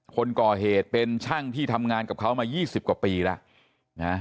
คนก่อเหตุเป็นช่างที่ทำงานกับเขามา๒๐กว่าปีแล้วนะ